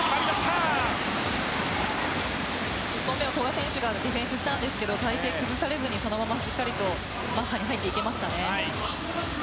１本目を古賀選手がディフェンスしたんですが体勢を崩されずにそのまましっかりとマッハに入っていけましたね。